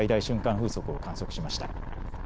風速を観測しました。